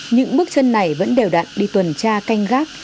những bước chân này vẫn đều đặn đi tuần tra canh gác